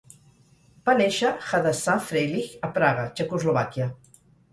Va néixer Hadassah Freilich a Praga, Txecoslovàquia.